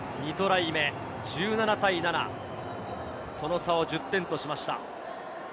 ２トライ目、１７対７、その差を１０点としました。